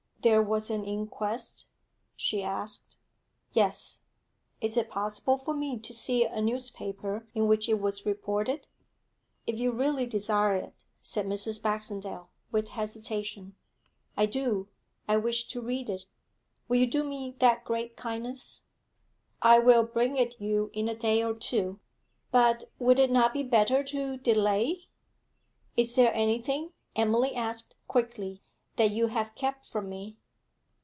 'There was an inquest?' she asked. 'Yes.' 'Is it possible for me to see a newspaper in which it was reported?' 'If you really desire it,' said Mrs. Baxendale, with hesitation. 'I do; I wish to read it. Will you do me that great kindness?' 'I will bring it you in a day or two. But would it not be better to delay ' 'Is there anything,' Emily asked quickly, 'that you have kept from me?'